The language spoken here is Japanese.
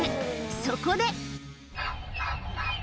そこで。